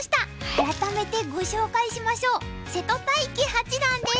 改めてご紹介しましょう瀬戸大樹八段です。